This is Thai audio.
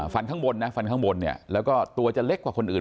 ฟันข้างบนนะแล้วก็ตัวจะเล็กกว่าคนอื่น